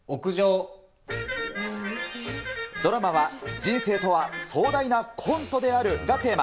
ドラマは、人生とは壮大なコントであるがテーマ。